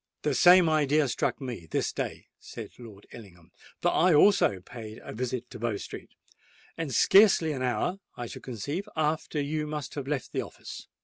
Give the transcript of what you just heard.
"The same idea struck me this day," said Lord Ellingham: "for I also paid a visit to Bow Street—and scarcely an hour, I should conceive, after you must have left the office.